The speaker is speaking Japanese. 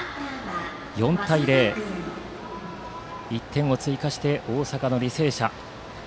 ４対０、１点を追加した大阪の履正社。